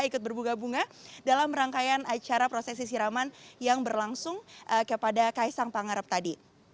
ikut berbunga bunga dalam rangkaian acara prosesi siraman yang berlangsung kepada kaisang pangarep tadi